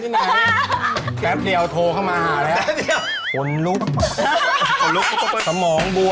มึงอย่าไปบอกพี่ซาวมึงนะ